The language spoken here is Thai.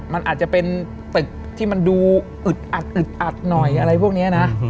มันอาจจะเป็นตึกที่มันดูอึดอัดอึดอัดหน่อยอะไรพวกนี้นะ